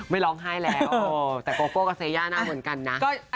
ไม่ร้องไห้แล้วแต่โกโก้กับเซย่าหน้าเหมือนกันนะ